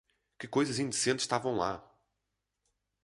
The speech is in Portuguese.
Que coisas indecentes estavam lá!